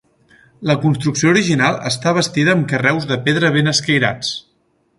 La construcció original està bastida amb carreus de pedra ben escairats.